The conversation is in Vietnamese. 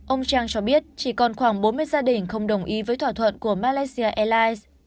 ông chang cho biết chỉ còn khoảng bốn mươi gia đình không đồng ý với thỏa thuận của malaysia airlines